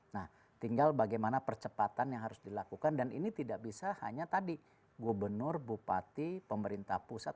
nah tinggal bagaimana percepatan yang harus dilakukan dan ini tidak bisa hanya tadi gubernur bupati pemerintah pusat